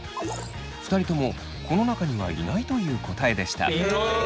２人ともこの中にはいないという答えでした。